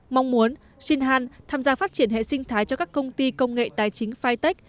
mong muốn sinh han tham gia phát triển hệ sinh thái cho các công ty công nghệ tài chính fitech